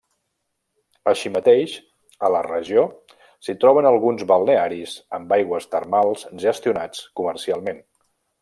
Així mateix, a la regió s'hi troben alguns balnearis amb aigües termals gestionats comercialment.